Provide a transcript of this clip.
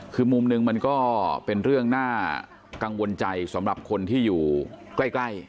คือมุมหนึ่งมันก็เป็นเรื่องน่ากังวลใจสำหรับคนที่อยู่ใกล้